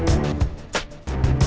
so lupa temen temen nha